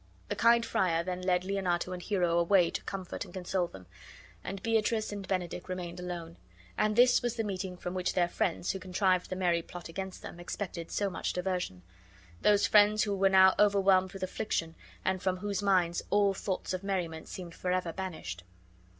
The kind friar then led Leonato and Hero away to comfort and console them, and Beatrice and Benedick remained alone; and this was the meeting from which their friends, who contrived the merry plot against them, expected so much diversion; those friends who were now overwhelmed with affliction and from whose minds all thoughts of merriment seemed forever banished.